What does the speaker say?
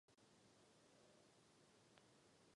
Některé hroby však patří i významným osobnostem jiných stavů.